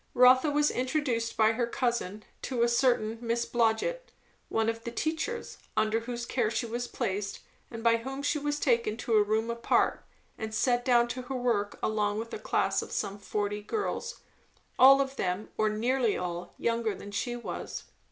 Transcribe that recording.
Rotha was introduced by her cousin to a certain Miss Blodgett, one of the teachers, under whose care she was placed, and by whom she was taken to a room apart and set down to her work along with a class of some forty girls, all of them or nearly all, younger than she was.